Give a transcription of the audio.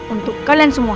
untuk kalian semua